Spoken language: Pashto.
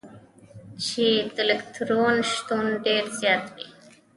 چي د الکترون شتون ډېر زيات وي.